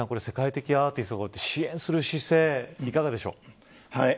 世界的アーティストが支援する姿勢、いかがでしょう。